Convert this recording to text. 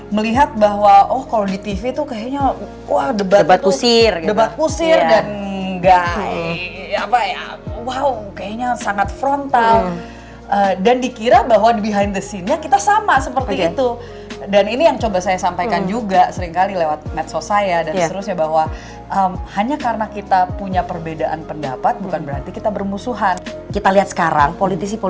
melihat bahwa oh kalau di tv tuh kayaknya wah debat itu